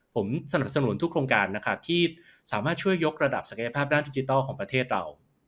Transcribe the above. ผมสนับสนุนทุกโครงการนะครับที่สามารถช่วยยกระดับศักยภาพด้านดิจิทัลของประเทศเรา